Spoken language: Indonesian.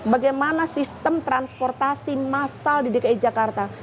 bagaimana sistem transportasi massal di dki jakarta